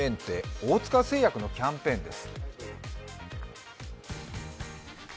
大塚製薬のキャンペーンです。